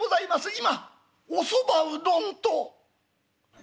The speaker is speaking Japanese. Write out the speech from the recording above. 今『おそばうどん』と」。